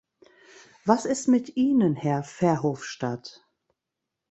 Was ist mit Ihnen, Herr Verhofstadt?